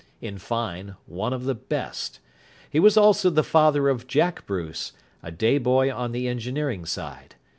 In fine, one of the best. He was also the father of Jack Bruce, a day boy on the engineering side.